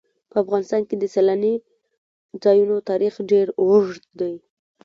په افغانستان کې د سیلاني ځایونو تاریخ ډېر اوږد دی.